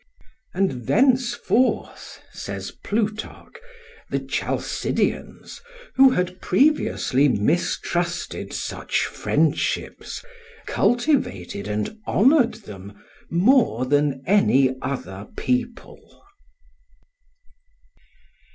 And thenceforth, says Plutarch, the Chalcidians, who had previously mistrusted such friendships, cultivated and honoured them more than any other people.